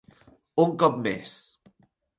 Un cop més.